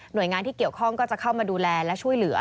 โดยงานที่เกี่ยวข้องก็จะเข้ามาดูแลและช่วยเหลือ